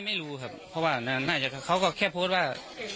ไม่รู้ครับเพราะว่าเขาก็แค่โพสต์ว่า